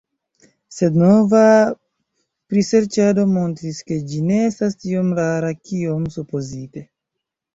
Sed nova priserĉado montris, ke ĝi ne estas tiom rara kiom supozite.